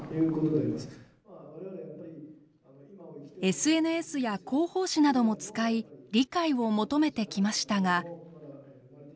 ＳＮＳや広報誌なども使い理解を求めてきましたが。